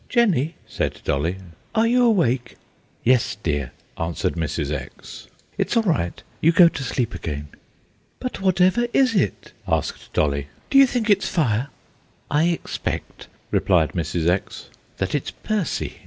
"Jenny," said Dolly, "are you awake?" "Yes, dear," answered Mrs. X. "It's all right. You go to sleep again." "But whatever is it?" asked Dolly. "Do you think it's fire?" "I expect," replied Mrs. X., "that it's Percy.